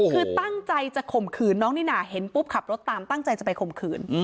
คือตั้งใจจะข่มขืนน้องนี่นาเห็นปุ๊บขับรถตามตั้งใจจะไปข่มขืน